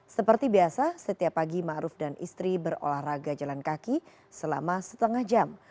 seperti biasa setiap pagi ⁇ maruf ⁇ dan istri berolahraga jalan kaki selama setengah jam